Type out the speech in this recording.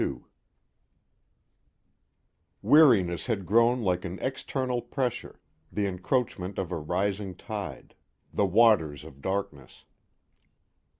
'" II Weariness had grown like an external pressure, the encroachment of a rising tide, the waters of darkness.